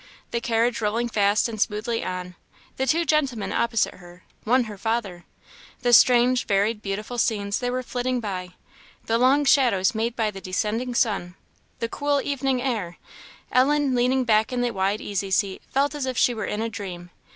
The carriage rolling fast and smoothly on the two gentlemen opposite to her, one her father! the strange, varied, beautiful scenes they were flitting by the long shadows made by the descending sun the cool evening air Ellen, leaning back in the wide easy seat, felt as if she were in a dream.